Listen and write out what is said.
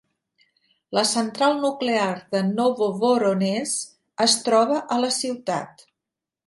La central nuclear de Novovoronezh es troba a la ciutat.